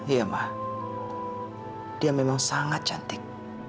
iya mah dia memang sangat cantik